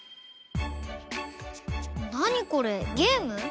なにこれゲーム？